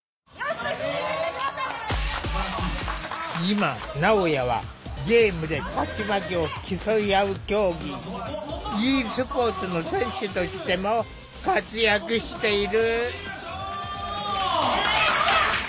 今なおやはゲームで勝ち負けを競い合う競技ｅスポーツの選手としても活躍している。